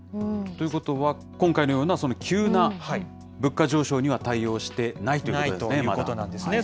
ということは今回のような急な物価上昇には対応してないといないということなんですね。